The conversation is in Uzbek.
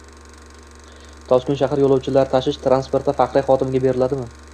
Toshkent shahar yo‘lovchilar tashish transporti Faxriy xodimiga beriladimi?